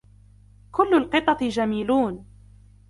كل القطط جميلون.